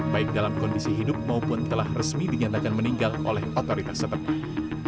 baik dalam kondisi hidup maupun telah resmi dinyatakan meninggal oleh otoritas setempat